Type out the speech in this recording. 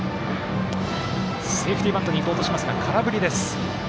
セーフティーバントにいこうとしますが空振りです。